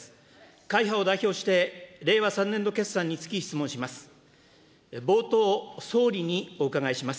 会派を代表して、令和３年度決算につき質問いたします。